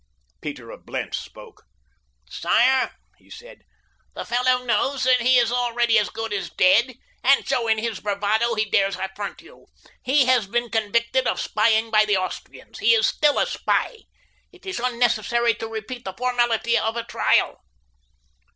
Peter of Blentz spoke: "Sire," he said, "the fellow knows that he is already as good as dead, and so in his bravado he dares affront you. He has been convicted of spying by the Austrians. He is still a spy. It is unnecessary to repeat the formality of a trial."